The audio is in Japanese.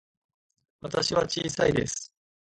私は小さいです。